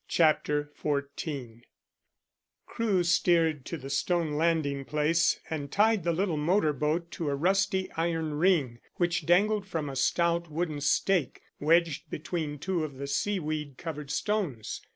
CHAPTER XIV CREWE steered to the stone landing place and tied the little motor boat to a rusty iron ring which dangled from a stout wooden stake, wedged between two of the seaweed covered stones.